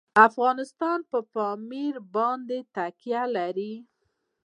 افغانستان په پامیر باندې تکیه لري.